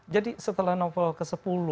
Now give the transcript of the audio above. jadi setelah novel ke sepuluh